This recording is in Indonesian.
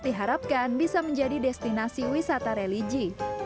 diharapkan bisa menjadi destinasi wisata religi